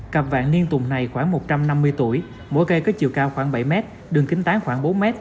cặp vạn niên tùng này khoảng một trăm năm mươi tuổi mỗi cây có chiều cao khoảng bảy mét đường kính tán khoảng bốn m